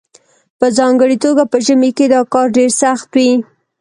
په ځانګړې توګه په ژمي کې دا کار ډیر سخت وي